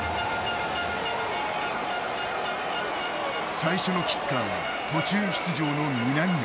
最初のキッカーは途中出場の南野。